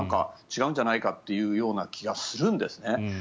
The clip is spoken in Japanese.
違うんじゃないかというような気がするんです。